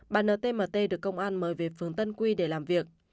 bà ntmt được công an mời về phường tân quy để làm việc